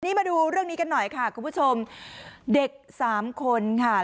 นี่มาดูเรื่องนี้กันหน่อยค่ะคุณผู้ชมเด็กสามคนค่ะ